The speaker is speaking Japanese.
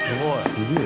すげえ。